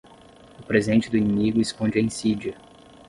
O presente do inimigo esconde a insídia.